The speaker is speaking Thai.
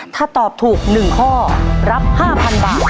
ถ้าตอบถูก๑ข้อรับ๕๐๐๐บาท